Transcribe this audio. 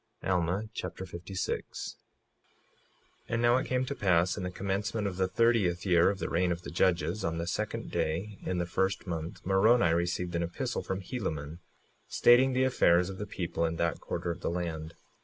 Alma Chapter 56 56:1 And now it came to pass in the commencement of the thirtieth year of the reign of the judges, on the second day in the first month, Moroni received an epistle from Helaman, stating the affairs of the people in that quarter of the land.